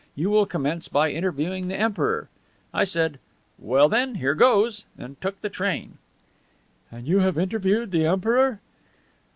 You will commence by interviewing the Emperor.' I said, 'Well, then, here goes,' and took the train." "And you have interviewed the Emperor?"